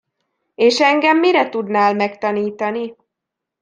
És engem mire tudnál megtanítani?